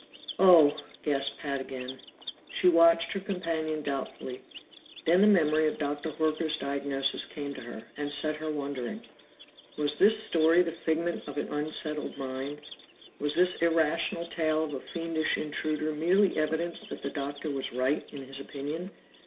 "Oh!" gasped Pat again. She watched her companion doubtfully. Then the memory of Dr. Horker's diagnosis came to her, and set her wondering. Was this story the figment of an unsettled mind? Was this irrational tale of a fiendish intruder merely evidence that the Doctor was right in his opinion?